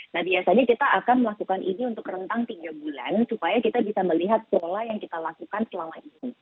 nah biasanya kita akan melakukan ini untuk rentang tiga bulan supaya kita bisa melihat pola yang kita lakukan selama ini